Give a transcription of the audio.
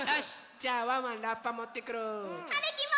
じゃあワンワンラッパもってくる！はるきも！